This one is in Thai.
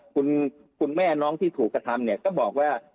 คุณแม่น้องที่ถูกกระทำเนี่ยก็บอกว่า